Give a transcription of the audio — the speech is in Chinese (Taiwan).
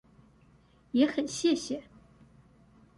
也很謝謝